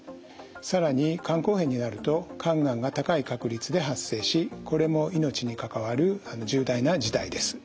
更に肝硬変になると肝がんが高い確率で発生しこれも命に関わる重大な事態です。